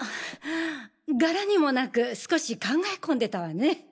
柄にもなく少し考え込んでたわね。